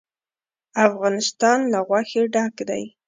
افغانستان له غوښې ډک دی.